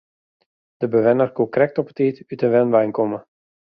De bewenner koe krekt op 'e tiid út de wenwein komme.